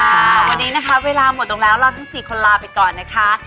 วันนี้นะคะเวลาหมดลงแล้วเราทั้งสี่คนลาไปก่อนนะคะ